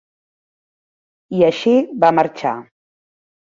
I així va marxar.